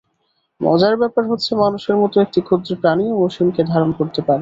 মজার ব্যাপার হচ্ছে, মানুষের মতো একটি ক্ষুদ্র প্রাণীও অসীমকে ধারণ করতে পারে।